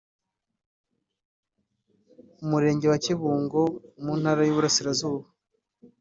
Umurenge wa Kibungo mu Ntara y’Uburasirazuba